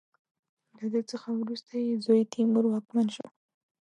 له ده څخه وروسته یې زوی تیمور واکمن شو.